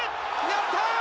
やったー！